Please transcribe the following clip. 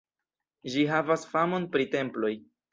Ĝi havas famon pri temploj.